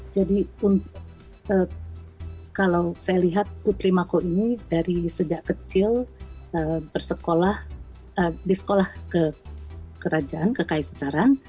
jadi kalau saya lihat putri mako ini dari sejak kecil bersekolah di sekolah kekerajaan kekaisaran